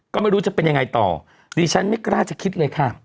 ก็ไม่รู้จะเป็นยังไงต่อดิฉันไม่กล้าจะคิดเลยค่ะ